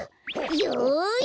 よし！